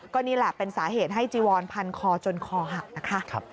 ก็นี่แหละเป็นสาเหตุให้จีวอนพันคอจนคอหักนะคะ